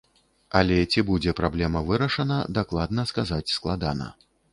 Але ці будзе праблема вырашана, дакладна сказаць складана.